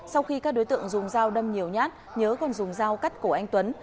sau khi các đối tượng dùng dao đâm nhiều nhát nhớ còn dùng dao cắt cổ anh tuấn